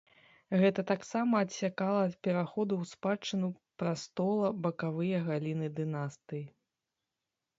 Гэта таксама адсякала ад пераходу ў спадчыну прастола бакавыя галіны дынастыі.